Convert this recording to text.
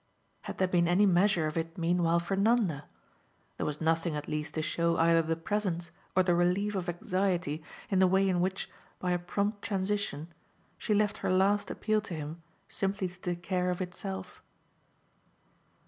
Had there been any measure of it meanwhile for Nanda? There was nothing at least to show either the presence or the relief of anxiety in the way in which, by a prompt transition, she left her last appeal to him simply to take care of itself.